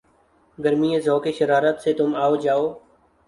گرمیِ ذوقِ شرارت سے تُم آؤ جاؤ